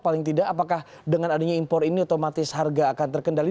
paling tidak apakah dengan adanya impor ini otomatis harga akan terkendali